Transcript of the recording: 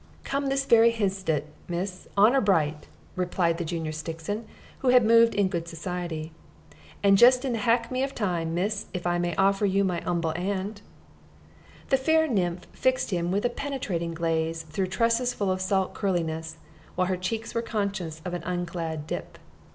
"Come this very hinstant, miss, honor bright!" replied the junior Stixon, who had moved in good society; "and just in the hackmy of time, miss, if I may offer you my 'umble hand." The fair nymph fixed him with a penetrating gaze through tresses full of salt curliness, while her cheeks were conscious of an unclad dip.